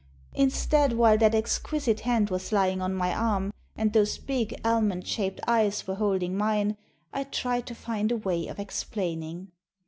Instead, while that exquisite hand was lying on my arm and those big almond shaped eyes were holding mine, I tried to find a way of explaining.